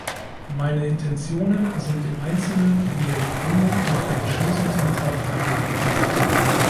Meine Intentionen sind im Einzelnen in der Begründung und im Entschließungsantrag dargelegt.